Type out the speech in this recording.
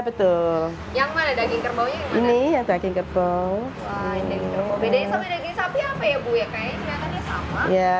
bedanya sama daging sapi apa ya bu